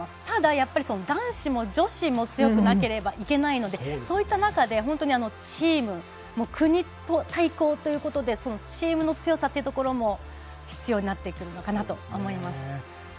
ただ、男子も女子も強くなければいけないのでそういった中で国対抗ということでチームの強さというところも必要になってくるかと思います。